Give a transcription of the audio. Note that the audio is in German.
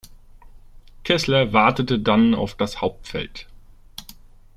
Kessler wartete dann auf das Hauptfeld.